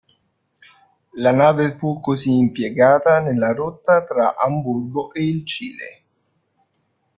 La nave fu così impiegata nella rotta tra Amburgo e il Cile..